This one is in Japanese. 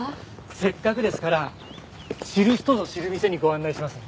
せっかくですから知る人ぞ知る店にご案内しますね。